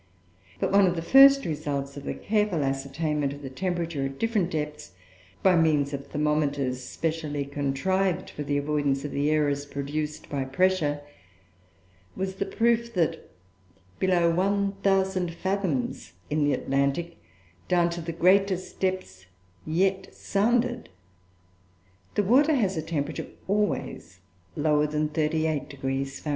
But one of the first results of the careful ascertainment of the temperature at different depths, by means of thermometers specially contrived for the avoidance of the errors produced by pressure, was the proof that, below 1000 fathoms in the Atlantic, down to the greatest depths yet sounded, the water has a temperature always lower than 38° Fahr.